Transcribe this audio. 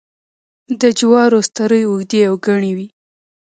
د جوارو سترۍ اوږدې او گڼې وي.